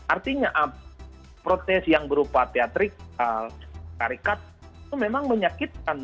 artinya protes yang berupa teatrik tarikat itu memang menyakitkan